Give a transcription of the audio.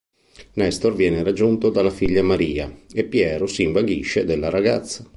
Nestor viene raggiunto dalla figlia Maria, e Piero si invaghisce della ragazza.